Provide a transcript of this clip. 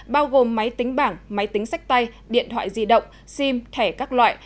bao gồm máy tính bảng máy tính sách tay điện thoại di động sim thẻ các loại